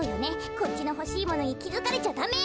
こっちのほしいものにきづかれちゃダメよ。